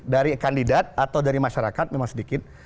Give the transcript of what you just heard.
dari kandidat atau dari masyarakat memang sedikit